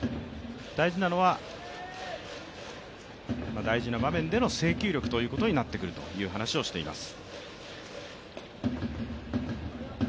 大事なのは、大事な場面での制球力になってくるという話をしています。